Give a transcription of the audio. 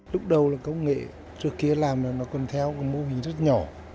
lúc đầu là công nghệ trước kia làm nó còn theo một mô hình rất nhỏ